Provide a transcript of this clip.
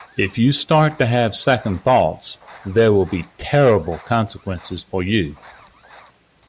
If you start to have second thoughts, there will be terrible consequences for you.